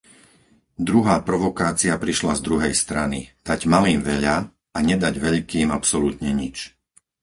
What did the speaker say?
Druhá provokácia prišla z druhej strany, dať malým veľa a nedať veľkým absolútne nič.